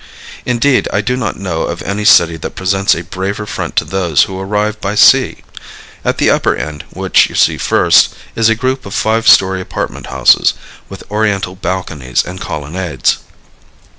Indeed, I do not know of any city that presents a braver front to those who arrive by sea. At the upper end, which you see first, is a group of five story apartment houses, with oriental balconies and colonnades.